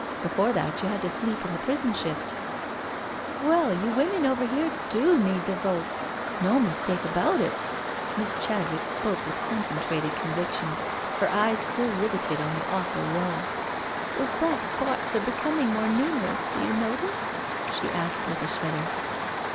Before that you had to sleep in the prison shift.*' •• Well, you women over here do need the vote, no mistake about it I" Miss Chadwick spoke with con centrated conviction, her eyes still riveted on the awful wall. '* Those black spots are becoming more numer ous, do you notice?" she asked with a shudder.